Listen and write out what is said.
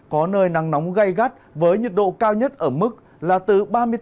có nơi nắng nóng gây gắt với nhiệt độ cao nhất ở mức là từ ba mươi bốn đến ba mươi bảy độ trong ngày mai